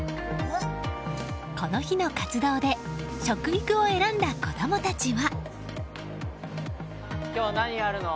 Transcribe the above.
この日の活動で食育を選んだ子供たちは。